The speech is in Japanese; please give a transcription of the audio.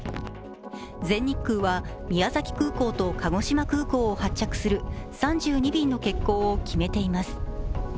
全日空は宮崎空港と鹿児島空港を発着する３２便の欠航を決めています。